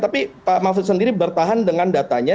tapi pak mahfud sendiri bertahan dengan datanya